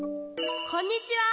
こんにちは。